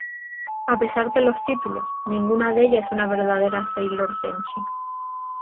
A pesar de los títulos, ninguna de ellas es una verdadera Sailor Senshi.